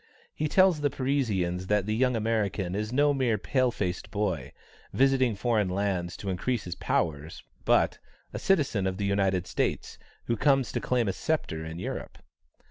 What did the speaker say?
He tells the Parisians that the young American is no mere pale faced boy, visiting foreign lands to increase his powers; but "a citizen of the United States, who comes to claim a sceptre in Europe."